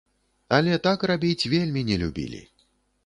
Але так рабіць вельмі не любілі.